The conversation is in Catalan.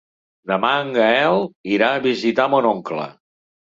Demà en Gaël irà a visitar mon oncle.